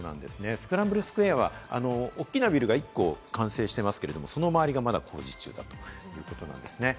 スクランブルスクエアは大きなビルが１個完成してますけれども、その周りがまだ工事中ということなんですね。